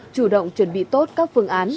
chủ động chuẩn bị tốt các phương án